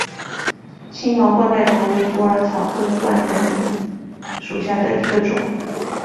星毛冠盖藤为虎耳草科冠盖藤属下的一个种。